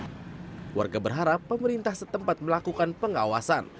keluarga berharap pemerintah setempat melakukan pengawasan